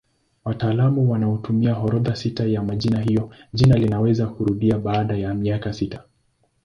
Wataalamu wanatumia orodha sita ya majina hivyo jina linaweza kurudia baada ya miaka sita.